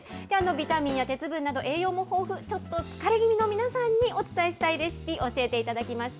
ビタミンや鉄分など、栄養も豊富、ちょっと疲れ気味の皆さんに、お伝えしたいレシピ、教えていただきました。